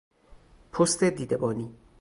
پست دیده بانی